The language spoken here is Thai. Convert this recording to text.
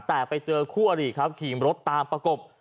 แต่ไปเจอคู่อริครับขี่รถตามประกบ